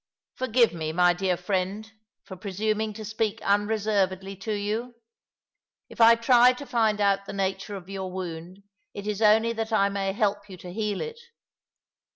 Forgiva me, my dear friend, for presuming to speak unreservedly to you. If I try to find out the nature of your wound it is only that I may help you to heal it.